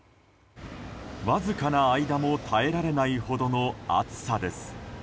わずかな間も耐えられないほどの暑さです。